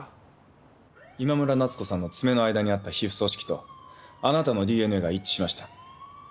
今村奈津子さんの爪の間にあった皮膚組織とあなたのＤＮＡが一致しました。